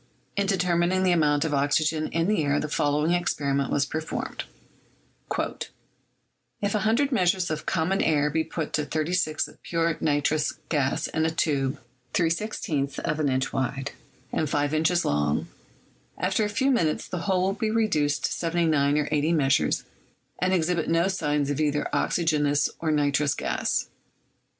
In determining the amount of oxygen in the air the fol lowing experiment was performed: "If 100 measures of common air be put to 36 of pure nitrous gas in a tube 3 /is of an inch wide and 5 inches long, after a few minutes the whole will be reduced to 79 or 80 measures, and exhibit no signs of either oxygen ous or nitrous gas.